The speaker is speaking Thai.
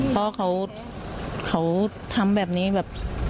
เพราะเขาทำแบบนี้แบบ